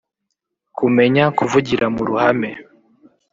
kumenya kuvugira mu ruhame